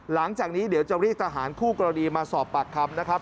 หลังจากนี้เดี๋ยวจะเรียกทหารคู่กรณีมาสอบปากคำนะครับ